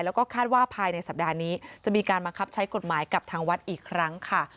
แล้วก็คาดว่าภายในสัปดาห์นี้จะมีการบังคับใช้กฎหมายกับทางวัดอีกครั้งค่ะ